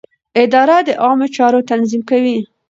اداره د عامه چارو تنظیم کوي.